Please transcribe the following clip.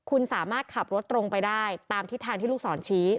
คุณสามารถขับรถตรงไปได้ตามทิศทางที่ลูกศรชี้